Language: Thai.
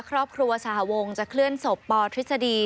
ครอบครัวสหวงจะเคลื่อนศพปทฤษฎี